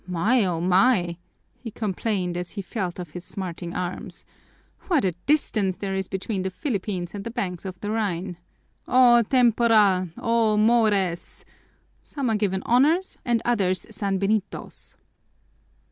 "My, oh my!" he complained as he felt of his smarting arms, "what a distance there is between the Philippines and the banks of the Rhine! O tempora! O mores! Some are given honors and others sanbenitos!"